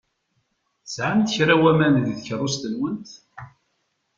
Tesɛamt cwiṭ n waman deg tkeṛṛust-nkent?